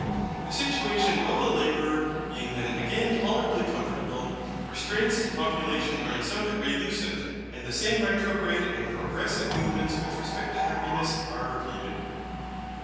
The situation of the labourer being then again tolerably comfortable, the restraints to population are in some degree loosened, and the same retrograde and progressive movements with respect to happiness are repeated.